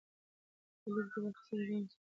په لوبو کې برخه اخیستل د زغم او صبر تمرین دی.